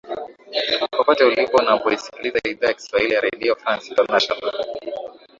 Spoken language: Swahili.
popote ulipo unapoisikiliza idhaa ya kiswahili ya redio france international